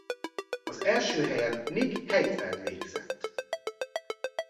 Az első helyen Nick Heidfeld végzett.